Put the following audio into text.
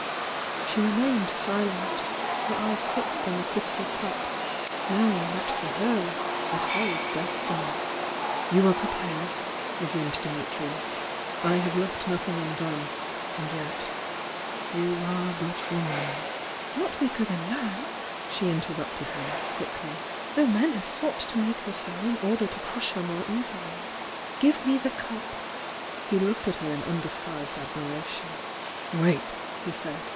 She remained silent, her eyes fixed on the crystal cup, knowing that for her it held destiny. "You are prepared," resumed Dimitrius. "I have left nothing undone. And yet — ^you are but wom an " "Not weaker than man!" she interrupted him, quickly. "Though men have sought to make her so in order to crush her more easily! Give me the cup!" He looked at her in undisguised admiration. "Wait!" he said.